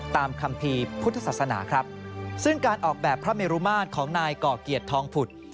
คัมภีร์พุทธศาสนาครับซึ่งการออกแบบพระเมรุมาตรของนายก่อเกียรติทองผุด